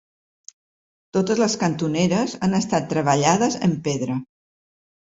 Totes les cantoneres han estat treballades en pedra.